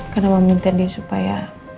karena meminta dia supaya